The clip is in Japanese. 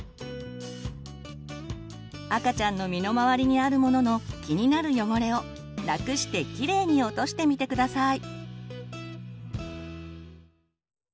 赤ちゃんの身の回りにあるものの気になる汚れをラクしてキレイに落としてみて下さい。